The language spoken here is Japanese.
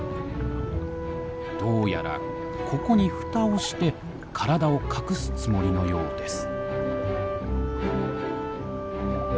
どうやらここに蓋をして体を隠すつもりのようです。